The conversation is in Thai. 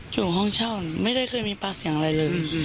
อยู่ห้องเช่าไม่ได้เคยมีปากเสียงอะไรเลย